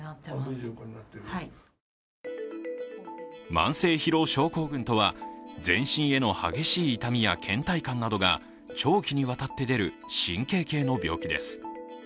慢性疲労症候群とは全身への激しい痛みやけん怠感などが長期にわたって出る、神経系の病気です。